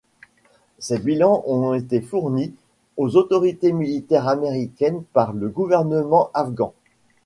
Ces bilans ont été fournis aux autorités militaires américaines par le gouvernement afghan.